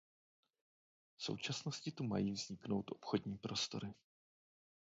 V současnosti tu mají vzniknout obchodní prostory.